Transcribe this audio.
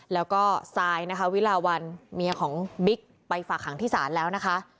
แล้วเวลาวันเมียของบิ๊กไปฝากหังที่ศาลแล้วนะคะ